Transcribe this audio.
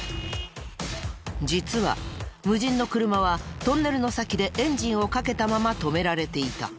実は無人の車はトンネルの先でエンジンをかけたまま止められていた。